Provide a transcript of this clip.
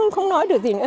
không nói được gì nữa